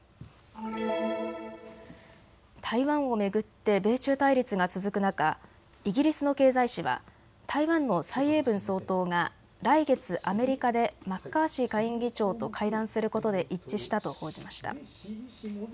台湾を巡って米中対立が続く中、イギリスの経済紙は台湾の蔡英文総統が来月、アメリカでマッカーシー下院議長と会談することで一致したと報じました。